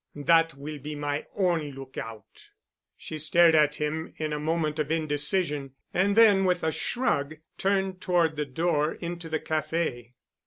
That will be my own lookout." She stared at him in a moment of indecision, and then with a shrug, turned toward the door into the café.